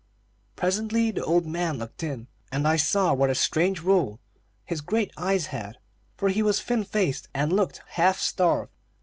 Presently the man looked in, and I saw what a strange roll his great eyes had, for he was thin faced and looked half starved.